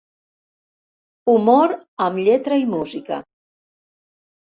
Humor amb lletra i música.